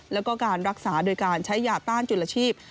แล้วก็การรักษาโดยการใช้ยาต้านจุลชีพ